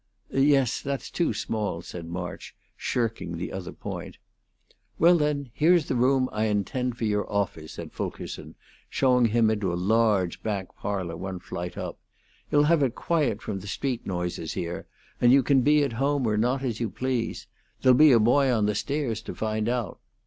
"Yes, that's too small," said March, shirking the other point. "Well, then, here's the room I intend for your office," said Fulkerson, showing him into a large back parlor one flight up. "You'll have it quiet from the street noises here, and you can be at home or not, as you please. There'll be a boy on the stairs to find out.